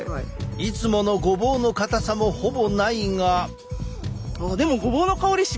いつものごぼうのかたさもほぼないが。